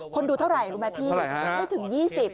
คนดูเท่าไหร่รู้ไหมพี่ไม่ถึง๒๐